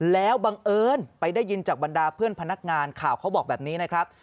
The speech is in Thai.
แล้วบังเอิญไปได้ยินจากบรรดาเพื่อนพนักงานข่าวเขาบอกแบบนี้นะครับ